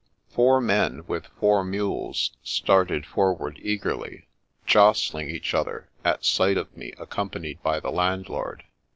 Four men, with four mules, started forward eagerly, jostling each other, at sight of me accom panied by the landlord.